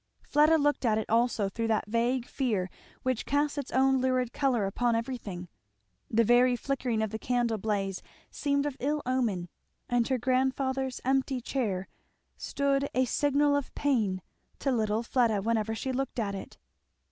Fleda looked at it also through that vague fear which casts its own lurid colour upon everything. The very flickering of the candle blaze seemed of ill omen, and her grandfather's empty chair stood a signal of pain to little Fleda whenever she looked at it.